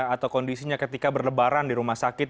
atau kondisinya ketika berlebaran di rumah sakit